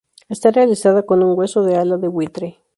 Está realizada con un hueso de ala de buitre.